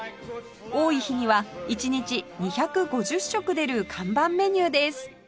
多い日には１日２５０食出る看板メニューです